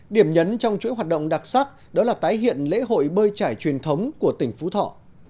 điểm nhấn trong chuỗi hoạt động đặc sắc đó là tái hiện lễ hội bơi trải truyền thống của tỉnh phú thọ